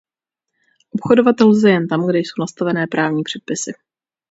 Obchodovat lze jen tam, kde jsou nastavené právní předpisy.